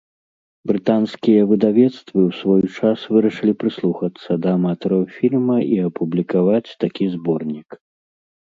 Брытанскія выдавецтвы ў свой час вырашылі прыслухацца да аматараў фільма і апублікаваць такі зборнік.